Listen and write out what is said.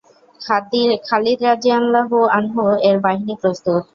খালিদ রাযিয়াল্লাহু আনহু-এর বাহিনী প্রস্তুত।